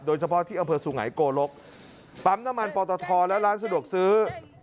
โดยเฉพาะที่อำเภอสุไงโกลกปั๊มน้ำมันปอตทและร้านสะดวกซื้อ